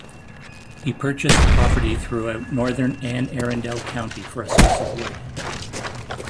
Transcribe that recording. He purchased property throughout northern Anne Arundel County for a source of wood.